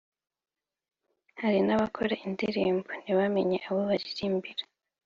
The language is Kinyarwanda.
Hari n’abakora indirimbo ntibamenye abo baririmbira